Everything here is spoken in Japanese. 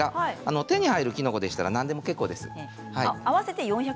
手に入るきのこでしたら何でも結構です。